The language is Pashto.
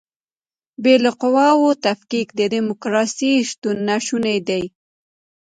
بې له قواوو تفکیک د دیموکراسۍ شتون ناشونی دی.